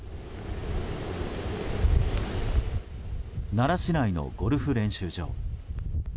奈良市内のゴルフ練習場。